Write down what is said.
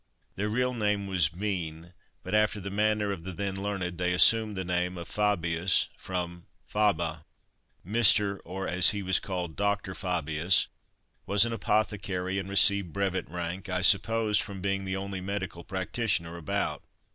Their real name was Bean; but, after the manner of the then learned, they assumed the name of Fabius, from "Faba." Mr. or, as he was called, "Dr." Fabius was an apothecary, and received brevet rank I suppose from being the only medical practitioner about.